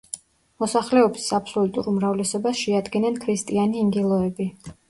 მოსახლეობის აბსოლუტურ უმრავლესობას შეადგენენ ქრისტიანი ინგილოები.